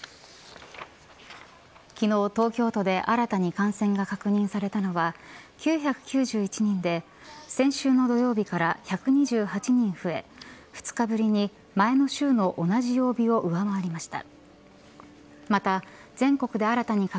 昨日、東京都で新たに感染が確認されたのは９９１人で先週の土曜日から１２８人増え２日ぶりに前の週の同じ曜日を上回りました。